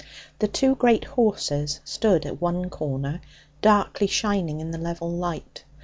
The two great horses stood at one corner, darkly shining in the level light.